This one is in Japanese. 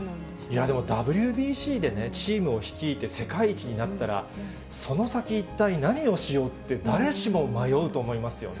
いや、でもＷＢＣでね、チームを率いて、世界一になったら、その先、一体何をしようって、誰しも迷うと思いますよね。